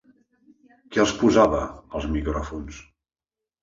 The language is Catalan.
Qui els posava, els micròfons?